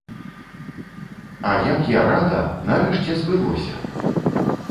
А як я рада, нарэшце збылося!